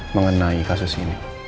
mengenai kasus ini